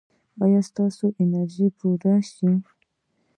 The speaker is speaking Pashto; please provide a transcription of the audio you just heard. ایا ستاسو انرژي به پوره شي؟